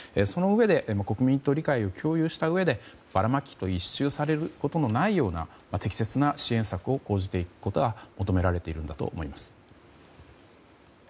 そのうえで国民と理解を共有したうえでばらまきと一蹴されることのないような適切な支援策を講じていくことが求められているんだと思います。